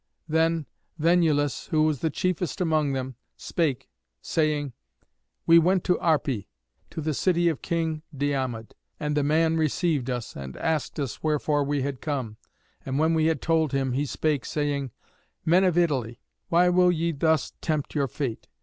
Then Venulus, who was the chiefest among them, spake, saying, "We went to Arpi, to the city of King Diomed. And the man received us, and asked us wherefore we had come, and when we had told him, he spake, saying, 'Men of Italy, why will ye thus tempt your fate?